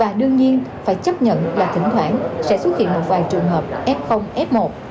và đương nhiên phải chấp nhận và thỉnh thoảng sẽ xuất hiện một vài trường hợp f f một